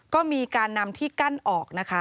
ก็มีการนำที่กั้นออกนะคะ